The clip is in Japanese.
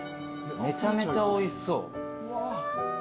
めちゃめちゃおいしそう。